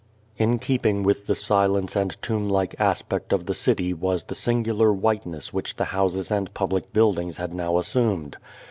In keeping with the silence and tomb like aspect of the city was the singular whiteness which the houses and public buildings had now assumed.